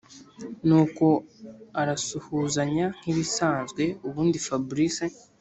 nuko arasuhuzanya nkibisanzwe ubundi fabric